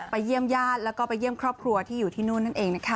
เยี่ยมญาติแล้วก็ไปเยี่ยมครอบครัวที่อยู่ที่นู่นนั่นเองนะคะ